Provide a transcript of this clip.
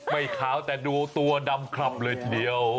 ขาวแต่ดูตัวดำคลับเลยทีเดียว